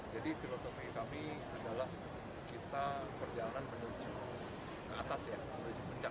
jadi filosofi kami adalah kita berjalan menuju ke atas ya menuju puncak